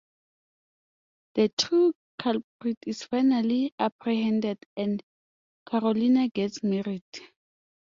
The true culprit is finally apprehended and Carolina gets married.